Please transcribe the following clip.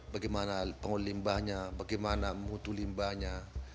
bagaimana limbahnya bagaimana mutu limbahnya